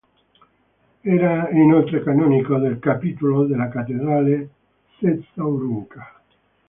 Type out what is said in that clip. Era inoltre canonico del capitolo della cattedrale Sessa Aurunca.